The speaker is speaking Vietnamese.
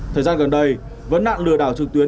thời gian gần đây vấn nạn lừa đảo trực tuyến